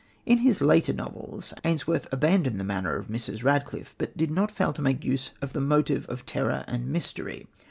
In his later novels Ainsworth abandoned the manner of Mrs. Radcliffe, but did not fail to make use of the motive of terror and mystery.